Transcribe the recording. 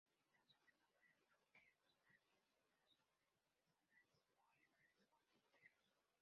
Habita sobre todo en roquedos marítimos y dunas o arenales costeros.